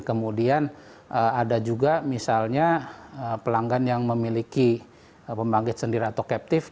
kemudian ada juga misalnya pelanggan yang memiliki pembangkit sendiri atau captive